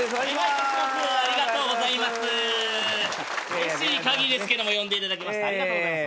うれしいかぎりですけども呼んでいただきましてありがとうございます。